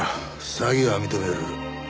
詐欺は認める。